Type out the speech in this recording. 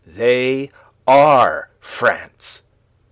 They are France.